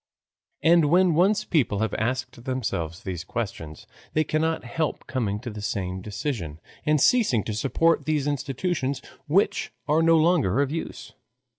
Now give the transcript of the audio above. And when once people have asked themselves these questions they cannot help coming to some decision and ceasing to support all these institutions which are no longer of use.